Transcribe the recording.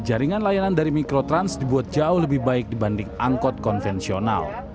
jaringan layanan dari mikrotrans dibuat jauh lebih baik dibanding angkot konvensional